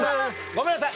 ごめんなさい。